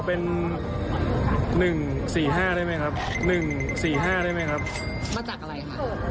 เออเอาเป็น๑๔๕ได้ไหมครับมาจากอะไรค่ะ